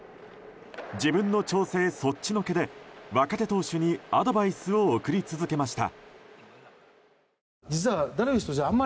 自分の調整そっちのけで若手投手にアドバイスを送り続けました。